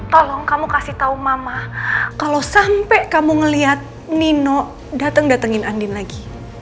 tolong kamu kasih tau mama kalau sampai kamu ngeliat nino dateng datengin andin lagi